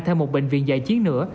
theo một bệnh viện giải chiến nữa